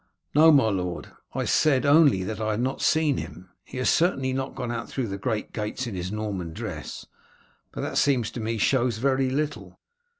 "No, my lord; I said only that I had not seen him. He has certainly not gone out through the great gates in his Norman dress, but that it seems to me shows very little.